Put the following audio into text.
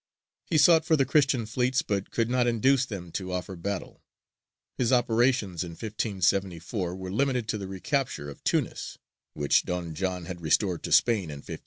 He sought for the Christian fleets, but could not induce them to offer battle. His operations in 1574 were limited to the recapture of Tunis, which Don John had restored to Spain in 1573.